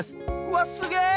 わっすげえ！